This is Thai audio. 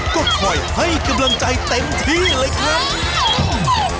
ก็คอยให้กำลังใจเต็มที่เลยครับ